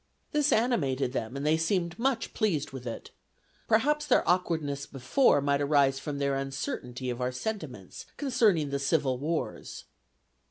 "This animated them, and they seemed much pleased with it. Perhaps their awkwardness before might arise from their uncertainty of our sentiments concerning the civil wars."